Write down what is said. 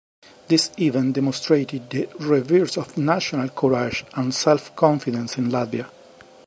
This event demonstrated the rebirth of national courage and self-confidence in Latvia.